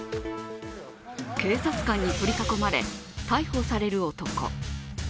警察官に取り囲まれ逮捕される男。